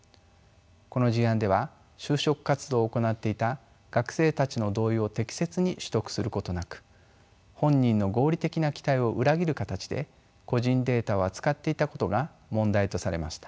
この事案では就職活動を行っていた学生たちの同意を適切に取得することなく本人の合理的な期待を裏切る形で個人データを扱っていたことが問題とされました。